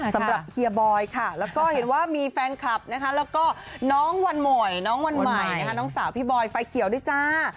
เฮียบอยค่ะแล้วก็เห็นว่ามีแฟนคลับนะคะแล้วก็น้องวันใหม่น้องวันใหม่นะคะน้องสาวพี่บอยไฟเขียวด้วยจ้า